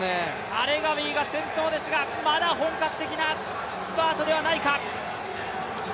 アレガウィが先頭ですがまだ本格的なスパートではないか。